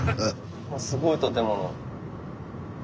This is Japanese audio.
すごい建物。